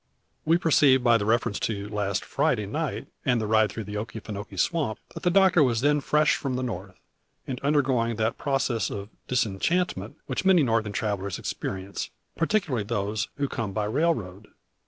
We perceive by the reference to last Friday night, and the ride through Okefinokee Swamp, that the doctor was then fresh from the North, and undergoing that process of disenchantment which many Northern travellers experience, particularly those who come by railroad.